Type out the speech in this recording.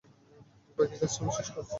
বাকি কাজটা আমি শেষ করছি।